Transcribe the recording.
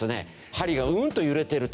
針がうんと揺れてると。